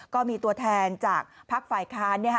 ก็มีตัวแทนจากภาคฝ่ายค้าน